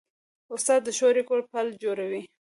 استاد د ښو اړیکو پل جوړوي.